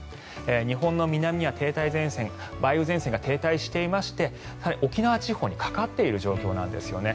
日本の南には梅雨前線が停滞していまして沖縄地方にかかっている状況なんですね。